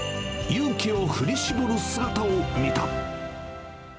勇気を振り絞る姿を見た。